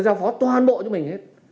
nó giao phó toàn bộ cho mình hết